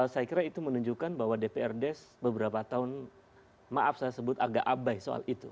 saya kira itu menunjukkan bahwa dprd beberapa tahun maaf saya sebut agak abai soal itu